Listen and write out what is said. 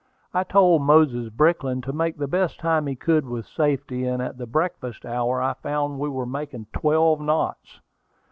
I told Moses Brickland to make the best time he could with safety, and at the breakfast hour I found we were making twelve knots.